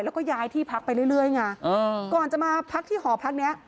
แล้วก็ย้ายที่พักไปเรื่อยไงก่อนจะมาพักที่หอพักเนี้ย